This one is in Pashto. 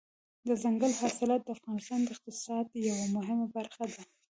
دځنګل حاصلات د افغانستان د اقتصاد یوه مهمه برخه ده.